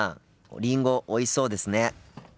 りんごおいしそうですね。